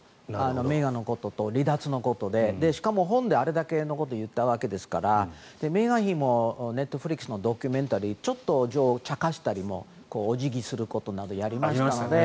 メーガンのことと離脱のことでしかも本であれだけのことを言ったわけですからメーガン妃もネットフリックスのドキュメンタリーでちょっとちゃかしたりお辞儀することなどやりましたよね。